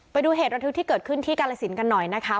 ไปดูเหตุระทึกที่เกิดขึ้นที่กาลสินกันหน่อยนะคะ